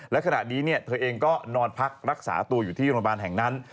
และขณะนี้เธอเองก็นอนพักรักษาตัวอยู่ที่โรงพยาบาลแห่งนั้น